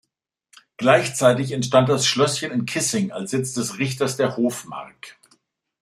Gleichzeitig entstand das Schlösschen in Kissing als Sitz des Richters der Hofmark.